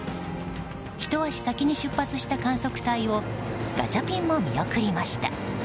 ひと足先に出発した観測隊をガチャピンも見送りました。